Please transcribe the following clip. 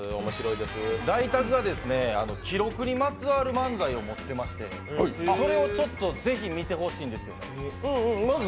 ダイタクが記録にまつわる漫才を持ってましてそれをちょっとぜひ見てほしいんですよ。